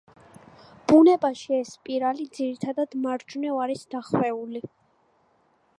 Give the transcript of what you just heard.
ბუნებაში ეს სპირალი ძირითადად მარჯვნივ არის დახვეული.